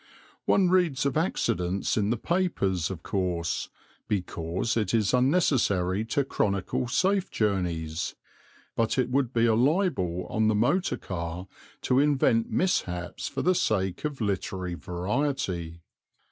One reads of accidents in the papers of course, because it is unnecessary to chronicle safe journeys; but it would be a libel on the motor car to invent mishaps for the sake of literary variety.